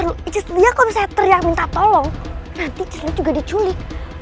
tunggu iya kok bisa teriak minta tolong nanti juga diculik